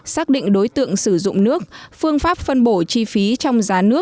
xác định đối tượng sử dụng nước phương pháp phân bổ chi phí trong giá